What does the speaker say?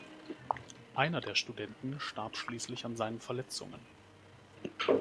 Einer der Studenten starb schließlich an seinen Verletzungen.